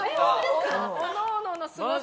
おのおののすごさ。